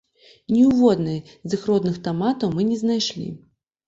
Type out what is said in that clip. Ні ў воднай з іх родных таматаў мы не знайшлі.